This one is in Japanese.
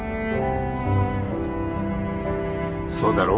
そうだろ？